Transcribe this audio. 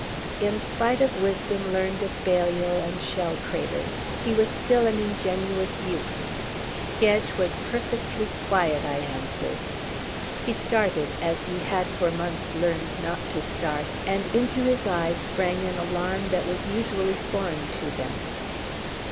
In spite of wisdom learned at Balliol and shell craters, he was still an ingenuous youth. "Gedge was perfectly quiet," I answered. He started, as he had for months learned not to start, and into his eyes sprang an alarm that was usually foreign to them.